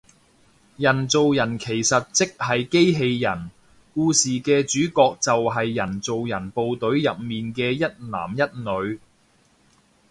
人造人其實即係機械人，故事嘅主角就係人造人部隊入面嘅一男一女